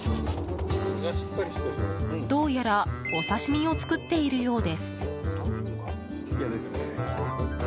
どうやらお刺し身を作っているようです。